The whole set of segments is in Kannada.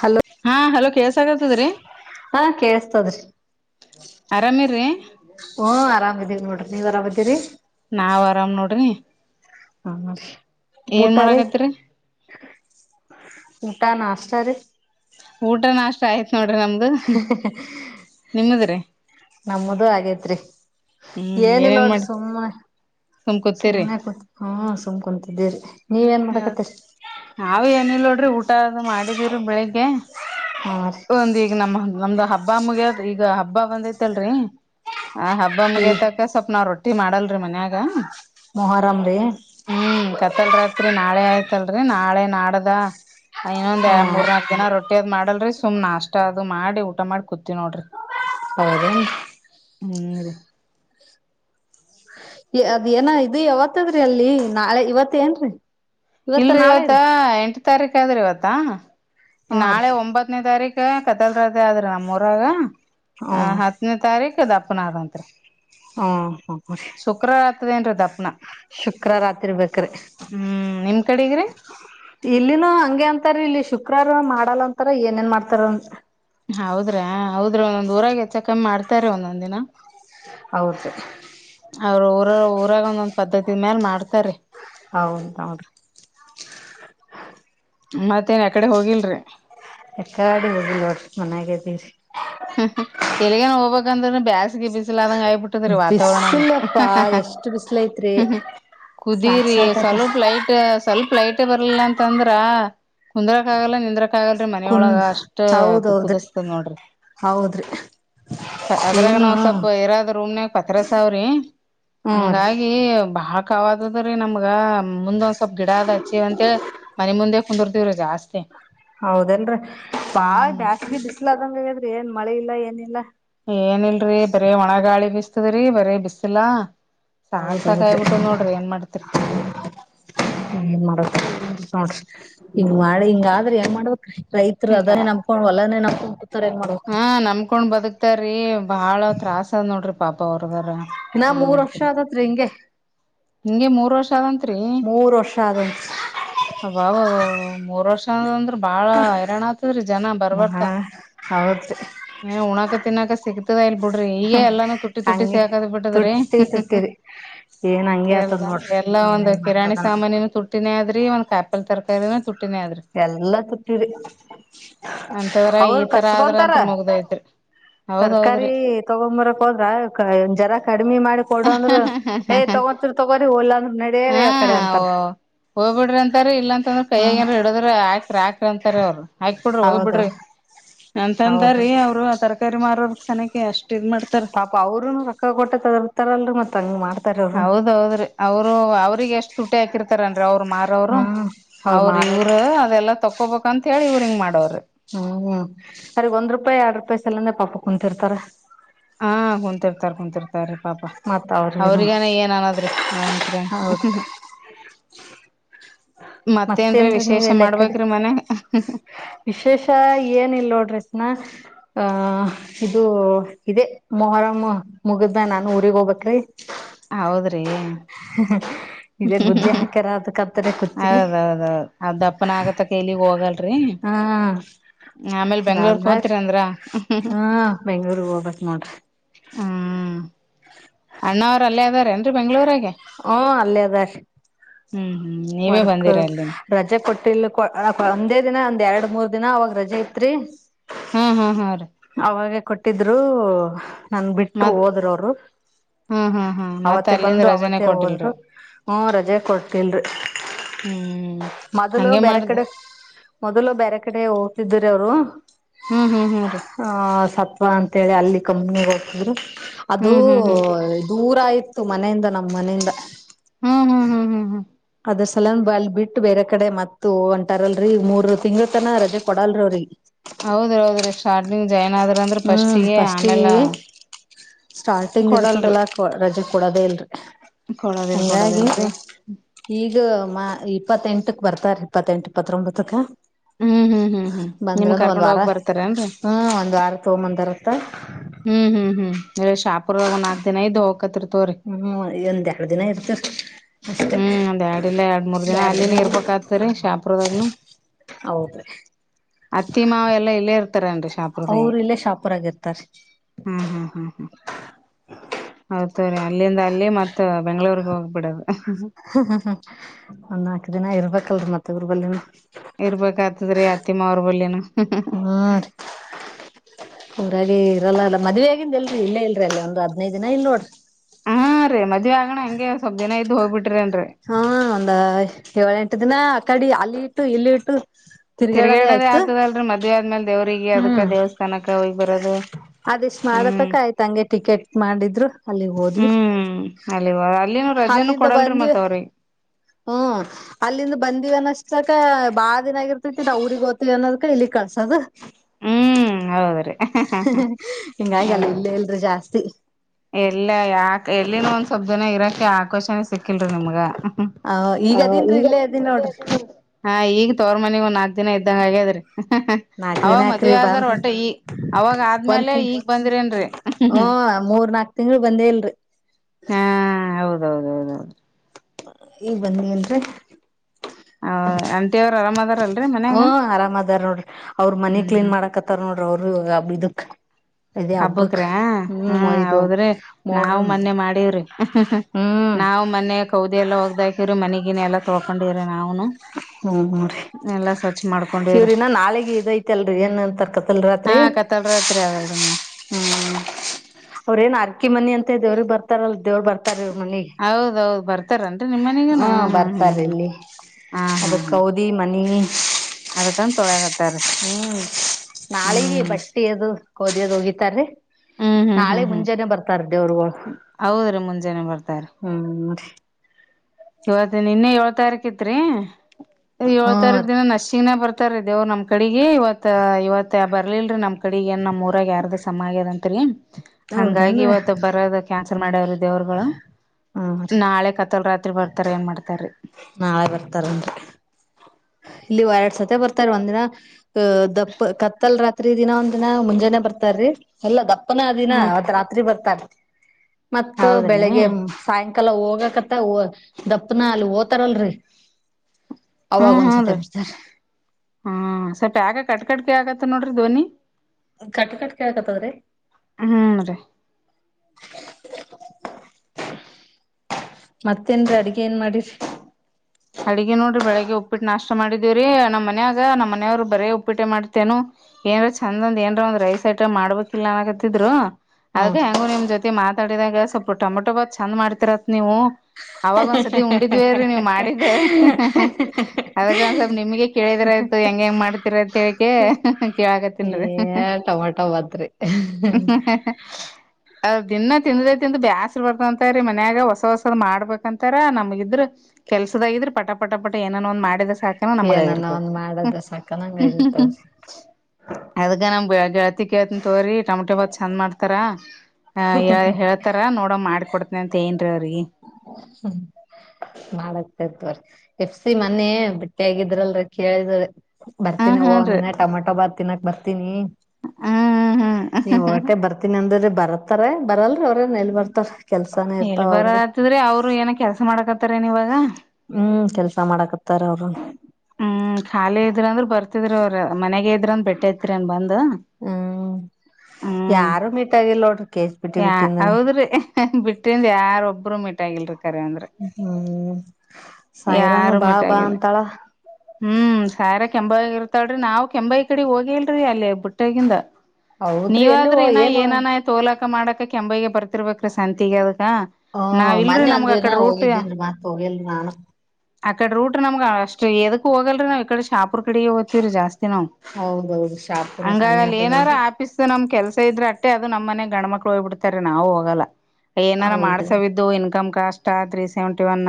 ಹಲೋ ಹಾ ಹಲೋ ಕೇಸ ಆಗತದ್ರಿ ಹಾ ಕೇಳಸ್ತದ್ರಿ ಆರಾಮಿರ್ರಿ ಹ್ಮ ಆರಾಮಿದೀವಿ ನೋಡ್ರಿ ನೀ ಅರಮದಿರಿ ನಾವ್ ಆರಾಮ್ ನೋಡ್ರಿ ಹ ಏನ್ ಊಟಾರಿ ಮಾಡಾಕತ್ರಿ ಟ ನಾಸ್ಟರಿ ಊಟ ನಾಷ್ಟ ಆಯ್ ನಿಮ್ಮದ್ರಿ ನಮ್ಮದೂ ಆಗೇತ್ರಿ ಹ್ಮ್ ಏನಿಲ್ಲ ಏನೇನ್ ನೋಡ್ರಿ ಮಾಡಿ ಸುಮ್ಮ್ ಸುಮ್ ಕೂತೀರಿ ಸುಮ್ಮ್ನೆ ಕುತ್ ಹ್ಮ ಸುಮ್ ಕುಂತ ಇದೇರಿ. ಹ ನಾವ ಏನಿಲ್ಲ ನೋಡ್ರಿ ಯು ಊಟ ಅದು ಮಾಡಿದೀವ್ರೀ ಬೆಳಿಗ್ಗೆ ಹಾ ರೀ ಒಂದ ಈಗ ನಮ್ಮ ನಮ್ದ ಹಬ್ಬ ಮುಗಿಯದ ಈಗ ಹಬ್ಬ ಬಂದೇತಿ ಅಲ್ರಿ. ಆ ಹಬ್ಬ ಈ ಮುಗತಕ್ಕ ಸ್ವಪ್ ರೊಟ್ಟ ಟಿ ಮಾಡಲ್ರರಿ ಮನ್ಯಾಗ ಮೊಹರಮರಿ. ತ್ರಿ ನಾಳೆ ಆಯ್ತಲ್ರಿ ನಾಳೆ ನಾಡದ ಇನ್ನೊಂದ್ ಹಾ ಮೂರ್ ನಾಲ್ಕ್ ದಿನ ರೊಟ್ಟಿ ಅದ ಮಾಡಲ್ರರಿ. ಸುಮ್ ನಾಷ್ಟ ಅದು ಮಾಡಿ ಊಟ ಮಾಡಿ ಕುೂತಿವಿ ನೋಡ್ರಿ. ಹೌದೇನ್ ಹ್ಮ್. ಅದ್ ಏನ ಇದು ಯಾವತ್ತದ್ರಿ ಅಲ್ಲಿ ನಾಳೆ ಇವತ್ತೆ ಏನ್ರೀ. ಇಲ್ರಿ ನಾಳೆ ಇವತ್ತ ರೀ ಎಂಟ ತಾರೀಕ ಆದ್ರ ಇವತ್ತಾ. ಹಾ ರೀ ನಾಳೆ ಒಂಬತ್ತನೇ ತಾರೀಕ ಕಥಲ್ರತೆ ಆದ್ರ ನಮ್ಮ್ ಉರಾಗ ಹ್ಮ ಹ ಹತ್ತನೇ ತಾರೀಕ ದಪ್ಪನ ಅದಾನ್ರಿ. ಹ್ನ. ಆತದೇನ್ರಿ ದಪ್ಪನ ಶುಕ್ರರಾತ್ರಿ ಬೇಕ್ರೀ ಹ್ಮ್ ನಿಮ್ ಕಡೆಗ್ರಿ ಇಲ್ಲಿನ ಹಂಗೆ ಅಂತಾರ ಇಲ್ಲಿ ಶುಕ್ರವರ ಮಾಡಲ್ಲ ಅಂತರ ಏನ ಏನ್ ಮಾಡ್ತಾರ. ಹೌದ್ರಾ ಹೌದ್ರಿ ಒಂದೊಂದ್ ಊರಾಗ ಹೆಚ್ಚ ಕಮ್ಮಿ ಮಾಡ್ತಾರ ಒಂದೊಂದ್ ದಿನ ಹೌದು. ಅವರು ಊರ ಊರಾಗ ಒಂದೊಂದ್ ಪದ್ದತಿ ಮ್ಯಾಲ ಮಾಡ್ತಾರೀ. ಹೌದ್ ಹೌದ್ರಿ. ಮತ್ತೇನ್ ಯಕಡೆ ಹೋಗಿಲ್ರಿ. ಯಾಕಡಿ ಹೋಗಿಲ್ಲ ನೋಡ್ರಿ ಮನ್ಯಾಗ ಇದೀವರಿ. ಹ್ಮ ಎಲ್ಲಿಗನ್ ಹೋಗ್ಬೇಕ ಅಂದ್ರ ಬೇಸ್ಗೆ ಬಿಸ ಆದಂಗ ಬಿಟ್ಟದರಿ ವಾತಾವರಣ ಬಿಸಿಲಪ್ಪಾ ಎಷ್ಟು ಬಿಸಿಲ ಐತ್ರಿ ಸಾಕ್ ಕುದಿರಿ ಸಾಕ್ ಆಯ್ತ ಸ್ವಲ್ಪ ಲೈಟ್ ಸ್ವಲ್ ಫ್ಲೈಟ್ ಬರ್ಲಿಲ್ಲ ಅಂತಂದ್ರ ಕುಂದ್ರಕ್ ಆಗಲ್ಲ ನಿಂದ್ರ ಆಗಲ್ರರಿ ಮನಿ ಓಳಗ ಕುಂದ್ ಅಷ್ಟ ಹೌದೌದ್ರಿ ಕುದಿಸ್ತದ ನೋಡ್ರಿ. ಹೌದ್ರಿ ಅದ್ರಾಗ ಏನು ನಾವ್ ಸ್ವಲ್ಪ ಇರದ್ ರೂಮ್ನಾಗ ಪತ್ರ ಅವ್ರಿ ಹ್ಮ ರೀ ಹಂಗಾಗಿ ಬಹಳ ಕಾವಾದದ್ರೀ ನಮ್ಗ ಮುಂದ್ ಒಂದ್ ಸ್ವಲ್ಪ್ ಗಿಡ ಆದ ಹಚ್ಚಿ ಅಂತೇಳ ಮನಿ ಮುಂದೆ ಕುಂದರ್ತವ್ರೀ ಜಾಸ್ತಿ. ಹೌದೇನ್ರೀ ಬಾಾಯ ಹ್ಮ್ ಬ್ಯಾಸ್ ಬಿಸ್ಲದಂಗ್ರ ಏನ್ ಮಳೆ ಇಲ್ಲ ಏನ ಇಿಲ್ಲ ಏನಿಲ್ರರಿ ಬರೀ ಒಣಗಾಳಿ ಬಿಸ್ತ ದೆ ರೀ ಬರ ಬಿಸಲಾ ಹೌದೌದ್ರನ್ ಮಾಡ ಹಂಗ ಮಾಡಿ ಹಿಂಗ ಆದ್ರೆ ನ್ ಮಾಡ್ಬೇಕ ರೈತರು ಹಿಂಗ ಅದನ್ನೇ ನಂಬಕೊಂಡ್ ಅಲ್ಲ ನಂಬಕೊಂಡು ಹಾ ನಮಕೊಂಡ್ ಬದುಕ್ತ್ರೀ ಬಾಳ ತ್ರಾಸ್ ಅದ್ ನೋಡ್ರಿ ಪಪರ ನಾ ಮೂರ್ ವರ್ಷ ಆದತ್ರಿ ಹಿಂಗೆ ಹಂಗೆ ಮೂರು ವರ್ಷ ಆದಂತ ಮೂರು ವರ್ಷ ಆಗಂ ಅಬ್ಬಾಬಾಬ ಮೂರ್ ವರ್ಷ ಆದ್ ಅಂದ್ರ ಬಾಳ ಹೈರಾಣ ಆತದ್ರೀ ಜನ ಬಾ ಬರ್ಬರ್ತಾ ಹೌದ್ರಿ ಎ ಉಣಕತ್ ತಿನಕ ಸಿಗ್ತದೆ ಬಿಡ್ರಿ ಈಗ ಎಲ್ಲಾನು ತುಟ್ಟಿ ತುಟ್ಟಿ ಹಂಗೆ ಸಕದ್ ಬಿಟ್ಟದ್ರಿ ತುಟ್ಟಿ ತುಟ್ಟಿರಿ ಏನ್ ಹಂಗೆ ಆತದ್ ಎಲ್ಲಾ ನೋಡ್ರಿ ಎಲ್ಲಾ ಒಂದ ಏನೇನ್ ಕಿರಾಣಿ ಮಾಡ್ತದನ ಸಾಮಾನಿನ ತುಟ್ಟಿನೇ ಆದ್ರಿ ಒಂದ್ ಕಾಪಲ್ ತರಕಾರಿ ತರೆ ಎಲ್ಲ ಸುತ್ತೀರಿ ಅಂತದ್ರಾಗ ಈ ಅವರು ಕ ತರ ಆದ್ರ ಕೊಂತಾರ ಅಂತ್ರ ಮುಗ್ದೈತ್ರಿ ಹೌದೌದ್ರಿ ತರಕಾರಿ ತಗೊಂಬರಕ್ ಹೋದ್ರ ಜರ ಕಡಿಮಿ ಮಾಡಿ ಕೊಡು ಅಂದ್ರ ಏಯ್ ತಗೊತ್ರ ತಗೋರಿ ಲ್ಲಂದ್ರ ಹಾ ನಡ್ಯರಿ ಆ ಕಡೆ ಅಂತಾರ ಹ ಆಯಾ ತಾರ ಅವ್ರರು ಆಯಕ್ ಬಿಡ್ರಿ ಹೋಗ್ ಬಿಡ್ರಿ ಹೌದು ಎಂತಂತ ಹೌದು ರೀ ಅವರು ತರಕಾರಿ ಮಾರ ಸನಕೆ ಅಷ್ಟು ಪಾಪ ಅವರುೂನು ರೊಕ್ಕ ಕೊಟ್ಟ ತರ್ತಾರಲ್ ರಿ ಮತ್ತ್ ಹಂಗ ಮಾಡ್ತಾರ ಅವರು. ತುಟ್ಟ ಹಾರ್ತಾರಂತ ಅವರು ಮಾರವರು ಅವ್ರ ಇವ್ರ ಅದೆಲ್ಲ ತಕೋಬೇಕ ಅಂತ ಹೇಳಿವ್ರಗ ಮಾಡೋರಿ ಸರಿ ಒಂದ್ ರೂಪಾಯಿ ಎರಡು ರೂಪಾಯಿ ಸಲಾನೇ ಪಾಪ ಕುಂತತಿರ್ತಾರ ಹಾ ಕುಂತಿರ್ತಾರ್ ಕುಂತಿರ್ತಾರ್ ತ ಪಾಪ ಮತ್ ಅವ್ರಿಗನು ಅವ್ರಿಗಾನ ಏನ್ ಅನ್ನದ್ರಿ ಅತ್ ಹೌದು ಮತ್ತೇನ್ ನೀವೆ ಎಲ್ಲ ಕಡೆ ವಿಶೇಷ ಏನಲ್ ನೋಡ್ರಿ ನ ಆಹ ಇದು ಇದೇ ಮೊಹರಂ ಮುಗಿದ್ನಾನು ಊರಿರಿಗೆ ಹೋಗ್ಬರಿ ಹೌದ್ರಿ ಇದೇ ಗುದ್ಲಿ ಹಾಕ್ಯಾರ ಅದಕ್ಕಂತಾನೇ ಕೂತೀನಿ ಹೌದೌದೌದು ಅ ದಪ್ಪನ ಆಗತ್ತ ಕಲಿ ಹೋಗಲ್ಲ ಹಾ ಆಮೇ ಬೆಂಗಳೂರ್ ಅದಾದ್ಮ್ಯಾಗ ಹರಿ ಹಾ ಬೆಂಗ್ಳೂರ್ಗ್ ಹೋಗ್ಬೇಕ್ ನೋಡ್ರಿ ಅಂದ್ರ ಅಲ್ಲೇ ಅದರ ಏನು ರಿ ಬೆಂಗಳೂರಗಿ ಹ್ಮ ಅಲ್ಲೇ ಅದಾರೆ ಹ್ಮ್ ಹ್ಮ್ ನೀವೇ ವರ್ಕ್ ಬಂದಿರ ಅಲ್ಲಿಂದ ರಜೆ ಕೊಟ್ಟಿಲ್ ಒಂದೇ ದಿನ ಒಂದ್ ಎರಡು ಮೂರ್ ದಿನ ಅವಾಗ ರಜೆ ಐತ್ರಿ ಹಾ ಹಾ ಹಾ ರೀ ಅವಾಗ ಕೊಟ್ಟಿದ್ರು ನನ್ ಬಿಟ್ಟು ಮತ್ ಹೋದ್ರ ಅವರು ಹಾ ಹಾ ಹಾ ಮತ್ ಅವತ್ತೇ ಅಲ್ಲಿಂದ ಬಂದು ರಜೆನೆ ಅವತ್ತೇ ಹೋದ್ರು ಕೊಟ್ಟಿಲ್ರಿ ಹ್ಮ ರಜೆ ಕೊಡ್ತಿಲ್ರಿ ಹ್ಮ್ ಮೊದಲು ಹಂಗೆ ಬೇರೆ ಮಾಡ್ದ ಕಡೆ ಮೊದಲು ಬೇರೆ ಕಡೆ ಹೊತಿದ್ದ ಇದರ ಅವರು ಹ್ಮ್ ಹ್ಮ್ ಹ್ಮ್ ರೀ ಅಪ್ಪ ಅಂತೇಳಿ ಅಲ್ಲಿ ಕಮ್ಮನಿ ಹೋಗ್ತಿದ್ರು ಅದು ಹ್ಮ್ ಹ್ಮ್ ಹ್ಮ್ ದೂರ ಇತ್ತು ಮನೆಯಿಂದ ನಮ್ಮ ಮನೆಯಿಂದ ಹ್ಮ್ ಹ್ಮ್ ಹ್ಮ್ ಹ್ಮ್ ಹ್ಮ್ ಅದ್ರ ಸಲಂದ ಅಲ್ ಬಿಟ್ಟು ಬೇರೆ ಕಡೆ ಮತ್ ಒಂಟಾರಲ್ರರಿ ಮೂರ್ ತಿಂಗಳ ತನ ರಜೆ ಕೊಡಲ್ರವ್ರಿ ಹೌದ್ರ ಹೌದ್ರೀ ಸ್ಟಾರ್ಟಿಂಗ್ ಜೈನ್ ಹ್ಮ್ ಫಸ್ಟಿ ಸ್ಟಾರ್ಟಿಂಗ್ ಕೊಡಲ್ರಿ ಇರ್ತದಲ್ಲಾ ರಜೆ ಕೊಡದೇ ಇಲ್ರಿ ಕೊಡೋದಿಲ್ ಹಂಗಾಗಿ ಕೊಡೋದಿಲ್ರರಿ ಈಗ ಮಾ ಈ ಇಪ್ಪತ್ತೆಂಟಕ್ ಬರ್ತಾರ ಇಪ್ಪತ್ತೆಂಟು ಇಪ್ಪತ್ತೊಂಬತ್ತಕ ಹ್ಮ್ ಹ್ಮ್ ಹ್ಮ್ ಹ್ಮ್ ನಿಮ್ ಕರ್ಕೊಂಡ್ ಹೋಗ ಬರ್ತಾರೇನ್ರರಿ ಅದರತ ಹ್ಮ್ ಹ್ಮ್ ಹ್ಮ್ ಇ ಶಾಪುರ್ದಾಗ ಒಂದು ನಾಲ್ಕ್ ದಿನ ಇದ್ದು ಹೋಗಕತಿರ್ತ ಹ್ಮ್ ಇಂದ ಎರಡು ದಿನ ಇರ್ತ ಹ್ಮ್ ಅ್ ಎರಡ್ ಇಲ್ಲ ಎರಡ್ ಮೂರ್ ದಿನ ಅಲ್ಲಿನ ಇರ್ಬೇಕಕ್ ಆತರಿ ಶಾಪುರದಾಗನು ಹೌದ್ರಿ ಅತ್ತಿ ಮಾವ ಎಲ್ಲಾ ಇಲ್ಲೇ ಇರ್ತಾರನ್ರಿ ಶಾಪುರದಾಗೆ ಅವರು ಇಲ್ಲೇ ಶಾಪುರ್ ಆಗಿರ್ತಾರ ಹ್ಮ್ ಹ್ಮ್ ಹ್ಮ್ ಹ್ಮ್ ಹೌದ ತೋರಿ ಅಲ್ಲಿಂದ ಅಲ್ಲಿ ಮ ಬೆಂಗ್ಳೂರಲ್ಲಿ ಗೆ ಹೋಗ್ಬಿಡದು ಒಂದು ನಾಲ್ಕುಕ ದಿನ ಇರ್ಬೇಕಲ್ ಮತ್ತ ತೊರ ಬಲೆನು ಇರ್ಬೇಕ ಆತದ್ರೀ ಆತ್ತಿಮ್ಮ ಅವ್ರ ಬಳ್ಳನು ಹಾ ರೀ ಇಲ್ಲ ಮದ್ವೆಗಂದ ಇಲ್ರಿ ಇಲ್ಲ ಇಲ್ರಿ ಅಲ್ಲ ಒಂದ ಹದನೈದು ದಿನ ಇಲ್ ನೋಡ್ರಿ ಹಡ್ ಹಾ ಒಂದ ಏಳ ಎಂಟು ಅನ್ನ ಆ ಕಡೆ ಅಲ್ಲಿ ಇಟ್ಟು ಇಲ್ಲಿ ಇಟ್ಟು ತಿರ್ಗಾಡೋದೇ ತಿರ್ಗಾಡದೇ ಆಯ್ತು ಆತದಲ್ರರಿ ಮದ್ವೆ ಆದ್ಮೇಲೆ ದೇವ್ರರಿಗೆ ಅದಕ್ಕ ಹ್ಮ್ ದೇವಸ್ಥಾನಕ್ಕ ಹೋಗ್ ಬರದು ಅದಿಷ್ಟ್ ಹ್ಮ್ ಮಾಡತಕ್ಕ ಆಯ್ತ ಹಂಗೆ ಟಿಕೆಟ್ ಮಾಡಿದ್ರು ಅಲ್ಲಿಗ್ ಹೋದ್ವಿ ಹ್ಮ್ ಅಲ್ಲಿ ಅಲ್ಲಿನ ರಜೆನೂ ಕೊಡಲ್ರಿ ಮತ್ತವ ಹ್ಮ ಅಲ್ಲಿಂದ ಬಂದಿವನಷ್ಟ ಕ ಬಾಳ ದಿನ ಆಗಿರ್ತೈತಿ ಅವ್ರಿಗೆ ಗೊತ್ತಿಲ್ಲ ಅನ್ನೋದ್ ಇಲ್ಲಿಗ್ ಕಳ್ಸದ ಹ್ಮ್ ಹೌದು ಹಿಂಗಲ್ಲ ಇಲ್ಲೇ ಇಲ್ರಿ ಜಾಸ್ತಿ ಎಲ್ಲ ಯಾಕ ಎಲ್ಲಿನ ಒಂದ್ ಸ್ವಪ್ ಜನ ಇರಕೆ ಆಕೋಶನೇ ಸಿಕ್ಕಿಲ್ರಿ ನಿಮ್ಗ ಆ ಈಗ ಅದನ್ರಿ ಇಲ್ಲೇ ಈದನ್ ಅದೀನ್ ನೋಡ್ರಿ ಹ ಈಗ ತೋರ್ ಮನಿಗ್ ಒಂದ್ ನ ದಿನ ಇದಂಗ ಹಾಗ್ಯಾದ್ರಿ ನಾಕ್ ಅವಾಗ ದಿನ ಮದ್ವೆ ಆಕ್ರಿ ಆದ್ರ ಬಂದ್ ಹೊಟ್ಟೆ ಈ ಅವಾಗ ಒಂದ್ ಆದ್ಮೇಲೆ ತಿಂಗ್ ಈಗ್ ಬಂದಿರೇನ್ರರಿ ತಿಂಗಳು ಬಂದೇ ಇಲ್ರಿ ಹಾ ಹೌದು ಹೌದೌದೌದು ಈ ಬನ್ನಿನ್ರರಿ ಹ ಆಂಟಿ ಅವರು ಆರಾಮ್ ಅದಾರಲ್ ಹ್ಮ ಆರಾಮ್ ಅದಾರ ನೋಡ್ರಿ ಅವ್ರರು ಮನಿ ಕ್ಲೀನ್ ಹ್ಮ್ ಮಾಡಕತ್ತಾರ ನೋಡ್ರಿ ಅವರು ಅ ದುಃ ಹಬ್ಬಕ್ರ ಹ್ಮ ಇದು ಹೌದ್ರಿ ನಾವವು್ ಮೋರಂ ಮೊನ್ನೆ ಮಾಡೀವ್ರಿ ಹ್ಮ್ ನಾವವು್ ಮೊನ್ನೆ ಕೌದಿ ಎಲ್ಲ ಹೋಗ್ದಾಕವ್ರಿ ಮನಗ್ ಈಗಿನ ಎಲ್ಲ ತೊಳ್ಕೊಂಡವ್ರೆ ನಾವನು ಹ್ಮ್ ನೋಡ್ರಿ ಎಲ್ಲಾ ಸ್ವಚ್ ಇವ್ರ ಮಾಡ್ಕೊಂಡವ್ರಿ ಇನ್ನ ನಾಳೆಗೆ ಇದಐತಲ್ರರಿ ಏನ್ ಅಂತಾರ ಕತ್ತಲ್ ಹಾ ರಾತ್ರಿ ಕತ್ತಲ್ರತ್ರಿ ಅದಲ್ ಹ್ಮ್ಮ್. ಹ್ಮ್ ಅವ್ರೇಏನ್ ಆರ್ಕಿ ಮನಿ ಅಂತ ದೇವ್ರಿಗೆಗ್ ಬರ್ತಾರಲ್ ದೇವ್ರ ಬರ್ತಾರವ ಹೌದೌದು್ ಬರ್ತ ರ ಹ್ಮ ಬರ್ತಾರ ಇಲ್ಲಿ ಅದಕ್ ೌದಿ ಮನಿ ಅದಕ್ಕಾ ತೊಳಗತ್ತೆ ಹ್ಮ್ ನಾಳೆಗೆ ಬಟ್ಟಿ ಅದು ಕೋದಿಯದ ಹೋಗಿತಾರೀ ಹ್ಮ್ ಹ್ಮ್ ನಾಳೆ ಹ್ಮ್ ಹ್ಮ್ ಮುಂಜಾನೆ ಬರ್ತಾರ ದೇವ್ರಗಳು ಹೌದ್ರೀ ಮುಂಜಾನೆ ಬರ್ತಿ ಹ್ಮ್ ನಿನ್ನೆ ಏಳ್ ತಾರೀಕ ಇತ್ರಿ ಏಳಳ್ ಹ್ಮ ತಾರೀಕ ದಿನ ನಶಿನ ಬರ್ತ ಹತಾರೀ ದೇವ್ ನಮ್ ಕಡೆಗೆ ಇವತ್ ಇವತ್ ಯ ಬರ್ಲಲ್ರಿ ನಮ್ ಕಡೆಗ ಏನ್ ನಮ್ ಊರಾಗ ಯಾರ್ದ ಸಮ ಆ್ಯದಂತರಿ ಹಂಗಾಗಿ ಹೌದೇನ್ರ ಇವತ್ತು ಬರದ ಕ ಮಾಡ್ರ ದೇವರುಗಳು ಹಾ ರೀ ನಾಳೆ ಕತ್ತಲ್ ರಾತ್ರಿ ಬ ನಾಳೆ ಬರ್ತಾರನ್ರಿ ಇಲ್ಲಿ ವಾಡ್ಸತಿ ಬರ್ತಾರ ಒಂದ್ಿನ ಅಹ್ ದಪ್ಪ ಕತ್ತಲ್ ರಾತ್ರಿ ದಿನ ಒಂದ ದಿನ ಮುಂಜಾನೆ ಬರ್ತಾರೀ ಎಲ್ಲಾ ದಪ್ಪ ಹಪ್ಪನ ದಿನ ಹ್ಮ್ ಅವತ್ ರಾತ್ರಿ ಬರ್ತಾರೆ ಮತ್ತ ಹೌದ್ರಿ ಬೆಳಿಗ್ಗೆ ಹ್ಮ್ ಸಾಯಂಕ ಹಕಲ್ಲ ಹೋಗಕತ್ತ ದಪ್ಪನ ಅಲ್ಲಿ ಓತಾರಲ್ರಿ ಅವಾಗ ಒಂದ ಹ್ಮ ಸ್ಗ ಕಟ್ ಕಟ್ ಆಗತ್ತ ನೋಡ್ರ ಧ್ನಿ ಕಟ್ ಕಟ್ ಕಳ್ಕತ್ತದ್ರಿ ಹ್ಮ್ ರೀ ಮತ್ತೇನ್ೀ ಅಡ್ಗೆ ಏನ್ ಮಾಡಿರಿರಿ ಅಡ್ಗೆ ನೋಡ್ರಿ ಬೆಳಿಗ್ಗೆ ಉಪ್ಪಿಟ್ಟ ನಾಷ್ಟ ಮಾಡಿದಿವವ್ರೀ ನಮ್ ಮನ್ಯಾಗ ನಮ್ಮ್ನೆಯವ್ರು ಬರೇ ಉಪ್ಪಿಟ್ಟೆ ಮಾಡ್ತೇನು ಏನ್ರ ಚಂದ ಏನ್ರ ಒಂದ್ ರೈಸ್ ಐಟಮ್ ಮಾಡ್ಬೇಕಕ್ಿಲ್ಲ ಅನಕತ್ತಿದ್ರು ಅ ಹೂನ್ರಿ ಅಂಗೋನಮ್ ಜೊತೆ ಮಾತಾಡ ಇದಾಗ ಸ್ವಲ್ಪ ಟಮೆಟೊ ಬಾತ್ ಚಂದ್ ಮಾಡ್ತಿರ ನೀವು ಅವಾಗ ಒಂದ್ಸತಿ ಉಂಡಿದ್ ಬೇ್ರಿ ನೀವು ಮಾಡಿ ಅದಕ್ಕ ಒಂದ್ ಸ್ವಲ್ಪ ನಿಮಗೆ ಕೇಳಿದಿರ ಆಯ್ತು ಹೆಂಗ ಹೆಂಗ ಮಾಡ್ತಿರ ಅಂತಿಕ ಕೇಳಾಕತ್ತನ್ರಿ ಏ ಟೊಮಾಟೊ ಬಾತ್ರಿ ಅದ ದಿನ ತಿಂದದೇ ತಿಂದು ಬ್ಯಾಸ್ರ ಬರ್ದಂತೀ ಮನ್ಯಾಗ ಹೊಸ ಹೊಸದ್ ಮಾಡ್ಬೇಕಂತಾರ ನಮ್ಗಿದ್ರ ಕೆಲ್ಸದಾಗಿದ್ರೆ ಪಟ ಪಟ ಪಟ ಏನೋ ಒಂದು ಮಾಡಿದಿದೆ ಹಕ ನಮ್ಗ ಏನನ ಆಗಿರ್ತದೆ ಒಂದ್ ಮಾಡದ ಸಾಕನಂಗ ಆಗಿರ್ತವ್ರಿ ಅದಕ್ಕೆ ನ ಗತಿತ ತೋರಿ ಟೊಮಟೊ ಪ ಚಂದ ಮಾಡ್ತಾರ ಹ ಹೇಳ್ತಾರ ನೋಡ ಮಾಡ್ಕೊಡ್ತ ನಏ ಹ್ಮ ಬಾಳ ತ್ವರ ಎಫ್ಸ ಮನೇ ಬಿಟ್ಟಿ ಆಾಗಿದ್ರಲ್ರ ಕೇಳಿದ್ರ ಹ ಬರ್ತೀನಿ ಒ ಒಂದ ಹನ್ರಿ ದಿನ ಟೊಮೆಟೊ ಬಾರ್ತಿನಾಕ್ ಬರ್ತೀನಿ ಹ್ಮ್ ಹ್ಮ್ ನೀವ ಹೊಟೆ ಬರ್ತೀನಿ ಅಂದ್ರೆ ಬರತ್ ಬರ್ತಾರ ಬರಲ್ರಿ ಅವ್ರೇನ್ ಎಲ್ಲಿ ಬರ್ತಾರ ಕೆಲ್ಸಾನೇ ಇರ್ತಾವ ಅವ್ರಿಗೆ ಇ್ರೆ ಅವ್ರು ಏನೋ ಕೆಲಸ ಮಾಡಕತ್ತಾರೆ ನೀವಾಗ ಹ್ಮ್ ಕೆಲ್ಸ ಮಾಡಕತ್ತಾರ ಅವರು ಹ್ಮ್ ಖಾಲಿ ಇದ್ರಂದ್ರ ಬರ್ತ ಅವ್ರ ಮನೆಗೆ ಇದ್ರಂದ ಬಿಟ್ಟೈತ್ರಿ ಅನ್ ಬಂದ ಹ್ಮ್ ಹ್ಮ್ ಯಾರು ಮೀಟ್ ಆಗಿಲ್ ನೋಡ್ರಿ ಕೇಸ್ ಬಿಟ್ಟಿ ಯ ಬಿಟ್ಟಿಂದನೇ ಹೌದ್ರಿ ಬಿಟ್ಟಿಂದ ಯಾರ ಒಬ್ರು ಬಿಟ್ಟ ಲ್ ಹ್ಮ್ ಸಾಯಿರನು ಯಾರು ಬಾ ಬಾ ಮೀಟಾಗಿಲ್ಲ ಅಂತಾಳ ಹ್ಮ್ ಸಾರ ಕೆಂಬ ಇರ್ತಾಳ್ರಿ ನಾವ್ ಕೆಂಬ ಕಡೆ ಹೋಗಿಲ್ರಿ ಅಲ್ಲೇ ಬುಟ್ಟಗಿಂದ ಹೌದ್ರಿ ನೀವ ಎಲ್ಲಿ ಆದ್ರೆ ಇನ ಏನು ಏನಾನ ತೋಲಕ್ ಪಕ್ಕ ಮಾಡಕಕ್ಕೆ ಎಂಬೈಗೆ ಬರ್ತಿರ್ಬೇಕು ರೀ ಸಂತಿಗೆ ಅದು ಹ್ಮ ಮೊನ್ನೆ ಒಂದನ ಹೋಗಿದ್ದೀನ್ರಿ ಮತ್ ಹೋಗಿಲ್ರಿ ನಾನು ಆ ಕಡೆ ರೂಟ್ ನಮ್ಗೆ ಅಷ್ಟ ಏದಕ್ ಹೋಗಲ್ರಿ ನಾವ್ ಕಡೆ ಶಾಪ್ ರ್ ಕಡೆಗೆ ಹೋಗ್ತವಿ ಜಾಸ್ತಿ ನಾವವು ಹೌದೌದು ಶಾಪುರ ಹಂಗ ಸಾನಿ ಅಲ್ಲಿ ಏನಾರ ಆತದಲ್ರಿ ಆಪಿಸತ ನಮ ಕೆಲ್ಸ ಇದ್ರೆ ಅಷ್ಟೆ ಅದು ನಮ್ಮ ಮನೆ ಗಂಡ ಮಕ್ಳು ಹೋಗ್ಬ ಬಿಡ್ತಾರೆ ನಾವು ಹೋಗಲ್ಲ ಏನಾನ ಹೌದ್ರಿ ಮಾಡ್ಸವಿದ್ದು ಇನ್ಕಮ್ ರಾಷ್ಟ್ರ ತ್ರೀ ಸೆವೆಂಟಿ ಒನ್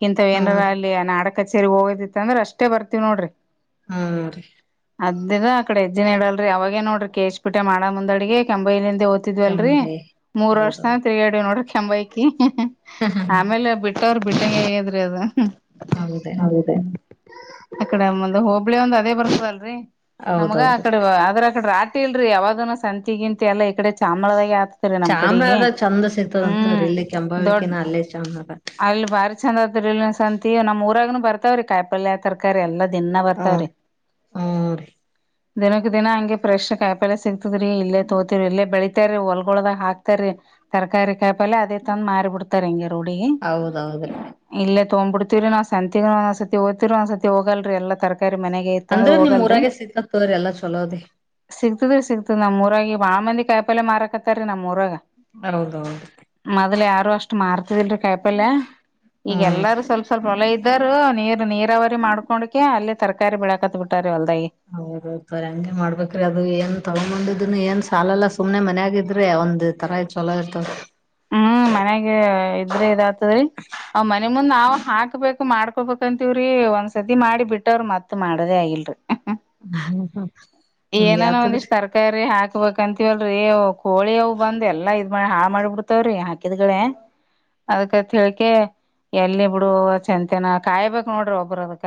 ಕಿಂತ ಹ್ಞೂ ಏನಾರ ರೀ ಅಲ್ಲಿ ನಾಡಕ ಸರಿ ಹೋ ಅಂದ್ರೆ ಅಷ್ಟೇ ಬರ್ತೀವಿ ನೋಡ್ರಿ ಹ್ಮ್ ರೀ ಅದ್ದ ಅಕಡೆ ಎಜ್ಜಿನ ಇ ಹೇಳಡಲ್ರಿ ಅವಾಗೇ ನೋಡ್ರಿ ಕೇಶ್ ಪೀಟೆ ಮಾಡ ಮುಂದ್ಡಗೆ ಕಂಬೈಿಂದ ಓ್ತಿದ್ವಲ್ರರಿ ಕೆಂಬೆ ಮೂರ್ ವರ್ಷ ತಾನ ಹೌದೌದು ತಿರುಗಾಡ ನೋಡ್ರಿ ಕೆಂಬೈಕಿ ಆಮೇಲೆ ಬಿಟ್ಟೋರ್ ಬಿಟ್ಟಂಗ ಹೇಗಿದ್ರಿ ಅದು ಹೌದೇ ಅಕಡೆ ಮುಂದ ಹೋಬಳಿ ಒಂದ್ ಅದೇ ಬರ್ತದಲ್ರರಿ ನಮ್ಗ ಹೌದೌದ್ರಿ ಆಕಡೆ ಆದ್ರ ಆಕಡೆ ರಾಟಿ ಇಲ್ರರಿ ಯಾವದ ಸಂತಿಗಿಂತಂತೆ ಎಲ್ಲಾ ಈಡೆ ಶಾಮಳದಾಗೆ ಆತತರಿ ನಮ್ ಕಡೆಗೆ ಚಾಮರಾಜ ಚಂದ ಹ್ಮ್ ಸಿಗ್ತದಂತರಿ ಇಲ್ಲಿ ದೊಡ್ಡ ಕೆಂಬಾವಿಕಿನ ಅಲ್ಲೇ ಚಾಮರಾಜ ಅಲ್ಲಿ ಬಾರಿ ಚಂದ ಸಂತತಿ ನಮ್ಮ ಊರಾಗನು ಬರ್ತ ಕಾಯ ಪಲ್ಯ ತರಕಾರಿ ಎಲ್ಲಾ ದಿಿನಾ ಹ್ಮ ಬರ್ತಾವ್ರಿ ಹ್ಮ್ ರೀ ದಿನಕ್ಕ ದಿನ ಹಂಗೆಫ್ರೆ್ ಕಾಯಿಪಳೆ ಸಿ ೀ ಇಲ್ಲ ತೋತಿರ ಇಲ್ಲ ಬೆಳಿ ಹೊಲ್ಗೊಳದಾಗ ಹಾಕ್ತಾರಿೀ ತರಕಾರಿ ಕಾಯಿಪಿ ಅದೇ ತಂದ್ ಮಾರಿಬ ಬಿಡ್ತಾರ ಹಂಗಿ ರೋಡ ಹೌದೌದ್ರಿ ಇಲ್ಲದ ತಗೊ್ಬ ಬಿಡ್ೀರಿ ನಾ ಸಂತ ಸತಿ ಹಓದತಿರರು ಆ್ ಸತಿ ಹೋಗಲ್ರಿ ಎಲ್ಲ ತರಕ ಮನೆಗೆ ಇತ್ತ ಅಂದ್ರ ಅಂದ್ರೆ ನಿಮ್ ಹೋಗಲ್ರಿ ಊರಾಗೆ ಸಿಗ್ತತ್ ತೋರಿ ಎಲ್ಲಾ ಚಲೋದೆ ಸಿಗ್ತದಿ ಸಿಗ್ತದ ನಮ್ರಾಗಿ ಬಾ್ಂದ ಕಾಯಲೆ ಮಾರಕತ್ತ ರೀ ನಮ್ ಮುರಗ ಹೌದೌದು ಮೊದಲ ಯಾರ ಷ್ಟ ಮಾರ್ತಿದಿಲ್ರರಿ ಕಾಯಿಪಲ್ಯ ಈಗ ಹ್ಮ್ ಎಲ್ಲಾರೂ ಸ್ವಲ್ಪ ಸ್ವಲ್ಪ ಹೊಲ ಇದ್ದರು ನೀರ್ ನೀರಾವರಿ ಮಾಡ್ಕೊಂಡಕ ಅಲ್ಲಿ ತರಕಾರಿ ಬೆಳಾಕತ್ ಬಿಟ್ಟಾರೆ ಹೌದೌ ತ ಹಂಗೆ ಮಾಡ್ಬೇಕ್ರಿ ಅದು ಏನ್ ತಗೊಂಡಿದ ಇದನ್ನು ಏನ್ ಸಾಲಲ್ಲ ಸುಮ್ನೆ ಮನ್ೆಯಾಗಿದ್ರೆ ಒಂದ್ ತರ ಇ ಚಲೋ ಇರ್ತವ ಹ್ಮ್ ಮನೆಗೆ ಇದ್ರೆ ಇದಾ ಸರಿ ಅವ್ ಮನೆ ಮುಂದ್ ನಾವ್ ಹಾಕ್ಬೇಕು ಮಾಡ್ಕೊ ಕೊಬಂತೀವ್ರಿ ಒಂದ್ ಸರ್ತಿ ಮಾಡಿ ಬಿಟ್ಟವ್ರ ಮತ್ ಮಾಡೋದೇ ಆಗಿಲ್ರರಿ ಹಿಂಗೆ ಏನಾನ ಒಂದಿಷ್ಟ್ ಆತದ್ರಿ ತರಕಾರಿ ಹಾಕ್ಬೇಕಂತೀವಲ್ ೀ ಕೋಳಿ ಅವು್ ಬಂದ ಎಲ್ಲಾ ಇದ್ ಮಾಡಿ ಹಾಳ ಮಾಡ್ಬಿಡ್ ಹತವ್ರಿ ಹಾಕಿದ್ಗಳೇ ಅದ್ ತಿಳಕ ಎಲ್ಲಿ ಬಿಡು ಚಂತನ ಕಾಯಬೇಕಕ್ ನೋಡ್ರಿ ಒಬ್ರ ಅದ್ಕ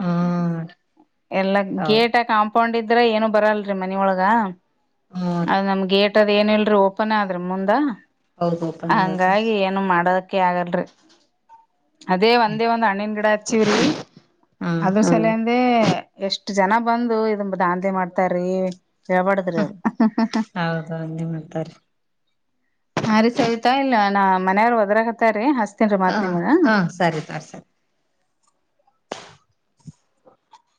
ಹ್ಮ್ ಎಲ್ಲ ಹೌದು ಗೇಟ್ ಕಾಂಪೌಂಡ್ ಇದ ್ರ ಏನು ಬರಲ್ರರಿ ಮನ ಒಳಗ ಹ್ಮ್ ರೀ ಅದು ನಮ್ಗೆ ಮದ್ ಏನ ಇಲ್ರರಿ ಓಪನ್ ಆದ್ರ ಮುಂದಾ ಹೌದು ಓಪನ್ ಹೌದ ಹಂಗಾಗಿ ಏನು ಮಾಡದ ಕೇ ಆಗಲ್ ಅದೇ ಒಂದೇ ಒಂದ್ ಹಣ್ಣಿನ ಗಿಡ ಆಯ್ತ ಚಿರಿ ಹ್ಮ್ ಅದು ಸಲ ಅೇ ಎಷ್ಟ್ ಜನ ಬಂದು ಇದ ದಾಂತೆ ಮಾಡ್ತಾರಿೀ ಯಾಪಾಡ್ತರದು ಹೌದು ಅೇ ಮಾಡ್ತಾರೆ ಹ ರೀ ಸವಿತಾ ಇಲ್ಲ ನಾ ಮನೆಯವಾರ್ ಒದ್ರ ಹತ್ತಾರೀ ಹ ಹ ಹಾ ಸರಿ ತರ್ಸರಿ